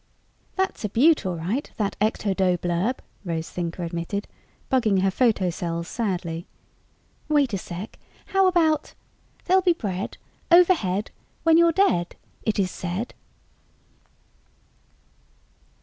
"That's a beaut, all right, that ecto dough blurb," Rose Thinker admitted, bugging her photocells sadly. "Wait a sec. How about? "_There'll be bread Overhead When you're dead It is said.